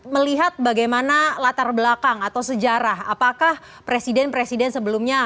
melihat bagaimana latar belakang atau sejarah apakah presiden presiden sebelumnya